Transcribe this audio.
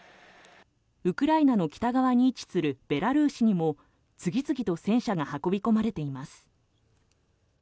ウクライナの北側に位置するベラルーシにも次々と戦車が運び込まれています。